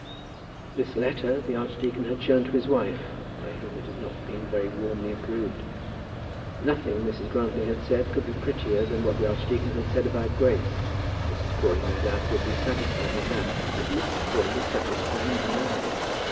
This letter the archdeacon had shown to his wife, by whom it had not been very warmly approved. Nothing, Mrs. Grantly had said, could be prettier than what the archdeacon had said about Grace. Mrs. Crawley, no doubt, would be satisfied with that. But Mr. Crawley was such a strange man!